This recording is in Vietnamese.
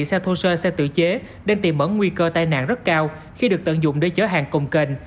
xe thua sơ xe tự chế nên tìm mở nguy cơ tai nạn rất cao khi được tận dụng để chở hàng cùng kênh